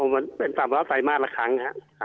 แล้วจำว่า๓มาร์ทละครั้งค่ะ